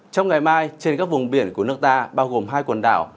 trong ngày mai trên các vùng biển của nước ta bao gồm hai quần đảo